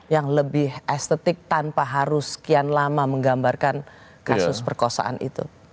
yang lebih estetik tanpa harus sekian lama menggambarkan kasus perkosaan itu